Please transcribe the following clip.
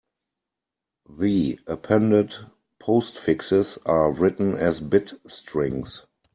The appended postfixes are written as bit strings.